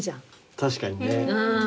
確かにね。